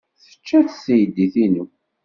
Tečča-tt teydit-inu.